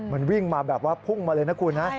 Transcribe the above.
มันวิ่งมาแบบว่าพุ่งมาเลยนะคุณนะ